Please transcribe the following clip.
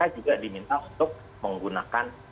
juga diminta untuk menggunakan